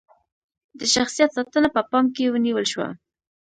د شخصیت ساتنه په پام کې ونیول شوه.